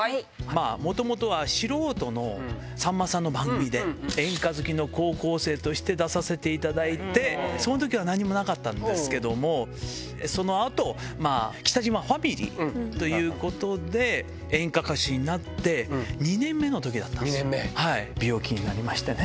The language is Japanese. もともとは素人のさんまさんの番組で、演歌好きの高校生として出させていただいて、そのときは何もなかったんですけども、そのあと、北島ファミリーということで、演歌歌手になって、２年目のときだったんですよ、病気になりましてね。